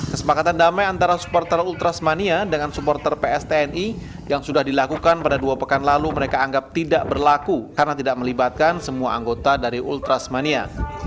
kesepakatan damai antara supporter ultrasmania dengan supporter pstni yang sudah dilakukan pada dua pekan lalu mereka anggap tidak berlaku karena tidak melibatkan semua anggota dari ultrasmania